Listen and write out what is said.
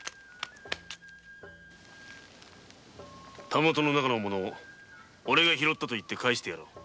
タモトの中の物オレが拾ったと言って返してやろう。